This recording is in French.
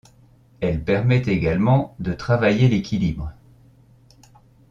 Elle permet également de travailler l'équilibre.